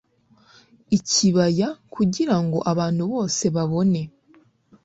Ikibaya kugirango abantu bose babone